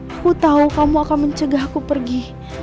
aku tahu kamu akan mencegah aku pergi